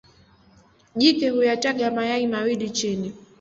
Jike huyataga mayai mawili chini.